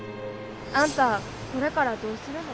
あんたこれからどうするの？